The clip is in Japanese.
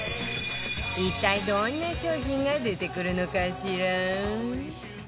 一体、どんな商品が出てくるのかしら？